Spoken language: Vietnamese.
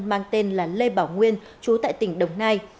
mang tên là lê bảo nguyên chú tại tỉnh đồng nai